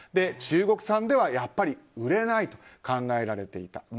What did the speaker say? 中国産ではやっぱり売れないと考えられていた。